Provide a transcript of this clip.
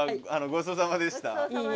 ごちそうさまでした。